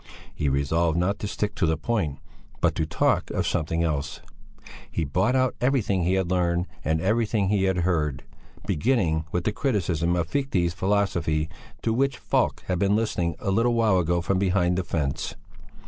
He resolved not to stick to the point, but to talk of something else. He brought out everything he had learned and everything he had heard, beginning with the Criticism of Fichte's Philosophy to which Falk had been listening a little while ago from behind the fence.